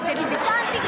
jadi lebih cantik